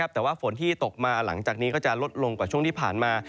แต่ว่าฝนที่ตกมาหลังจากนี้ก็จะลดลงกว่าช่วงที่ผ่านมา